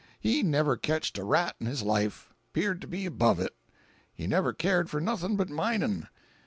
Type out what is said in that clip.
He never ketched a rat in his life—'peared to be above it. He never cared for nothing but mining.